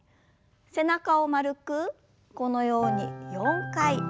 背中を丸くこのように４回ゆすります。